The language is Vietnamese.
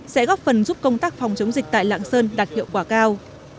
sẽ góp phần giúp công tác phòng chống dịch tại lạng sơn đạt hiệu quả cao